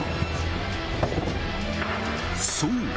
そう！